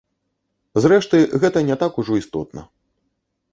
Зрэшты, гэта не так ужо істотна.